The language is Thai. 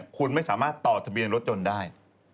คุณไม่สามารถต่อทะเบียนรถยนต์ได้